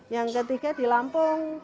yang ketiga di lampung